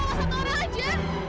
astaga satu orang aja